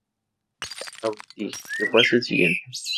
Avanti ¡que pase el siguiente!